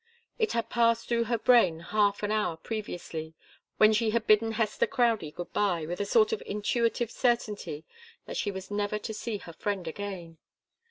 It had passed through her brain half an hour previously, when she had bidden Hester Crowdie good bye with a sort of intuitive certainty that she was never to see her friend again.